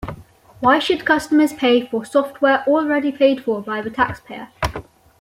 Why should customers pay for software already paid for by the taxpayer?